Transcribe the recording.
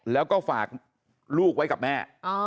แล้วก็ฝากลูกไว้กับแม่